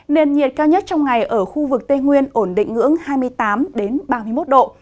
nền nhiệt cao nhất trong ngày ở khu vực tây nguyên ổn định ngưỡng hai mươi tám ba mươi một độ